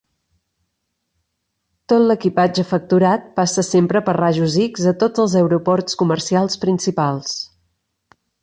Tot l'equipatge facturat passa sempre per rajos X a tots els aeroports comercials principals.